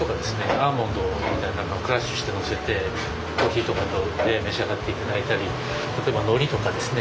アーモンドなんかクラッシュしてのせてコーヒーとかと召し上がって頂いたり例えばのりとかですね